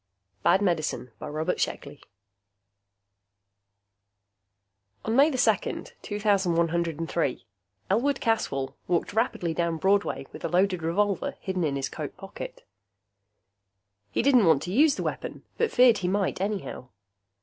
Bad Medicine by Robert Sheckley On May 2, 2103, Elwood Caswell walked rapidly down Broadway with a loaded revolver hidden in his coat pocket. He didn't want to use the weapon, but feared he might anyhow.